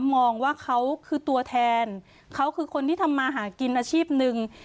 มองว่าเขาคือตัวแทนเขาคือคนที่ทำมาหากินอาชีพหนึ่ง